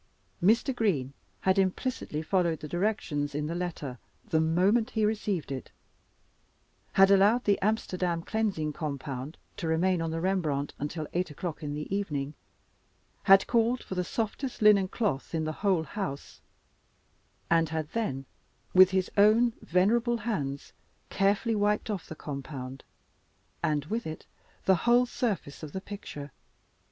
Mr. Green had implicitly followed the directions in the letter the moment he received it had allowed the "Amsterdam Cleansing Compound" to remain on the Rembrandt until eight o'clock in the evening had called for the softest linen cloth in the whole house and had then, with his own venerable hands, carefully wiped off the compound, and with it the whole surface of the picture!